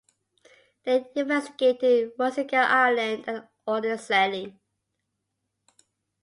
They investigated Rusinga Island and Olorgesailie.